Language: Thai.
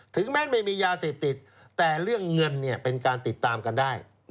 แม้ไม่มียาเสพติดแต่เรื่องเงินเป็นการติดตามกันได้